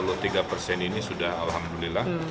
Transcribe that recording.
dan sen ini sudah alhamdulillah